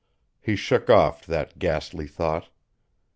He shook off that ghastly thought.